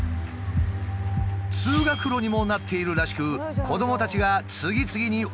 通学路にもなっているらしく子どもたちが次々に横断していく。